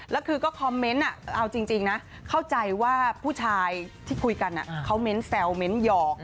แล้วคือก็คอมเมนต์เอาจริงนะเข้าใจว่าผู้ชายที่คุยกันเขาเม้นแซวเม้นต์หยอก